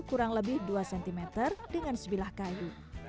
kurang lebih dua cm dengan sebilah kayu